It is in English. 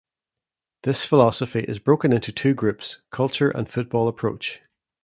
This philosophy is broken into two groups, culture and football approach.